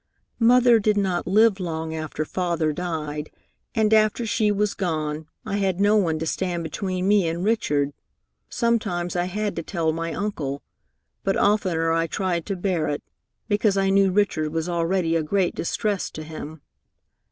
"Mother did not live long after Father died, and after she was gone, I had no one to stand between me and Richard. Sometimes I had to tell my uncle, but oftener I tried to bear it, because I knew Richard was already a great distress to him.